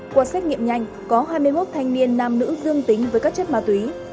qua xét nghiệm nhanh có hai mươi một thanh niên nam nữ dương tính với các chất ma túy